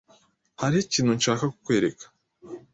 Hariho ikintu nshaka kukwereka.